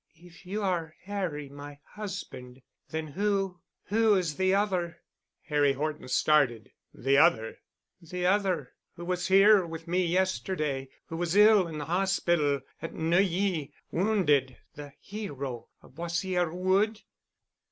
"If you are Harry—my husband—then who—who is the other?" Harry Horton started. "The other——?" "The other—who was here with me yesterday, who was ill in the hospital at Neuilly, wounded—the hero of Boissière wood?"